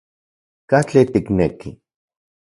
¿Katli tikneki?